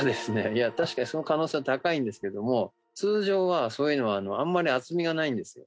確かにその可能性は高いんですけども通常はそういうのはあんまり厚みがないんですよ。